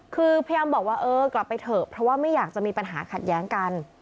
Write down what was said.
คือพยายามบอกว่าเออกลับไปเถอะเพราะว่าไม่อยากจะมีปัญหาขัดแย้งกัน